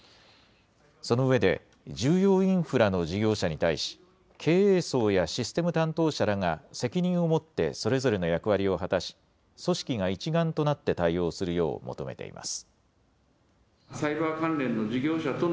そのうえで重要インフラの事業者に対し経営層やシステム担当者らが責任を持ってそれぞれの役割を果たし組織が一丸となって対応するよう求めています。